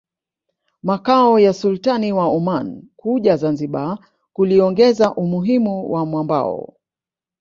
makao ya Sultani wa Oman kuja Zanzibar kuliongeza umuhimu wa mwambao